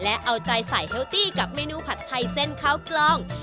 และเอาใจใส่เฮลตี้กับเมนูผัดไทยเส้นข้าวกล้อง